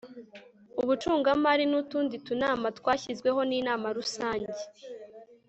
ubucungamari n'utundi tunama twashyizweho n'inama rusange